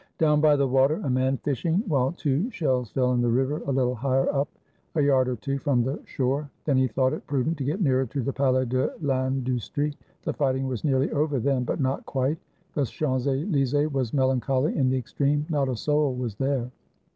Down by the water a man fishing while two shells fell in the river, a little higher up, a yard or two from the shore. Then he thought it prudent to get nearer to the Palais de ITndustrie. The fighting was nearly over then, but not quite. The Champs Elysees was melancholy in the ex treme; not a soul was there.